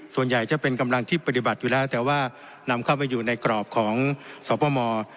ส่วนใหญ่จะเป็นกำลังที่ปฏิบัติอยู่แล้วแต่ว่านำเข้าไปอยู่ในกรอบของสพม